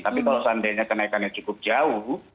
tapi kalau seandainya kenaikannya cukup jauh